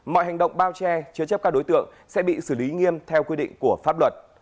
mọi hành động bao che chứa chấp các đối tượng sẽ bị xử lý nghiêm theo quy định của pháp luật